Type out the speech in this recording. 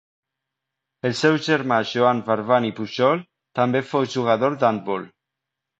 El seu germà Joan Barbany Pujol també fou jugador d'handbol.